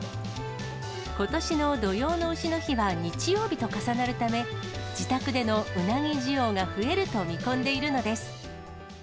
ことしの土用のうしの日は日曜日と重なるため、自宅でのうなぎ需要が増えると見込んでいるのです。